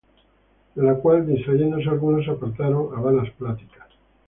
De lo cual distrayéndose algunos, se apartaron á vanas pláticas;